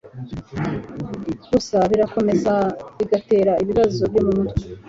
gusa birakomeza bigatera ibibazo byo mu mutwe